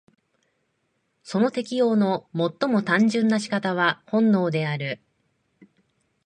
その適応の最も単純な仕方は本能である。